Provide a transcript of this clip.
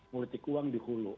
politik uang di hulu